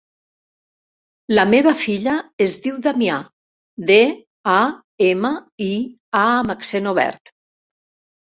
La meva filla es diu Damià: de, a, ema, i, a amb accent obert.